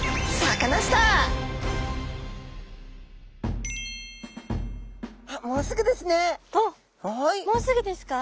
あっもうすぐですか？